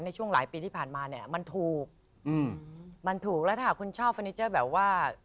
ในช่วงหลายปีที่ผ่านมาเนี่ยมันถูกอืมมันถูกแล้วถ้าหากคุณชอบเฟอร์นิเจอร์แบบว่า